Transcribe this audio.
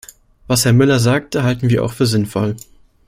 Was Herr Müller sagte, halten wir auch für sinnvoll.